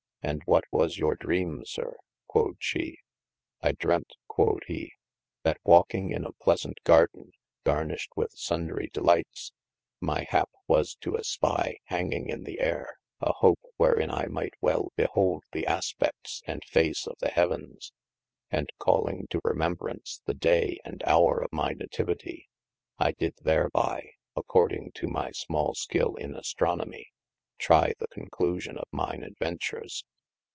And what was your dream, sir (quod she) ? I dreamt (quod he) that walking in a pleasaunt garden garnished 405 THE ADVENTURES with sundrye delights, my hap was to espie hanging in the ayre, a hope wherin I might well beholde the aspeftes and face of the heavens, and calling to remembrance the day and hower of my nativety, I did therby (accordyng to my small skil in Astronomy) trie the conclusion of mine adventures.